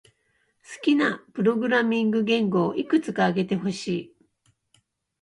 好きなプログラミング言語をいくつか挙げてほしい。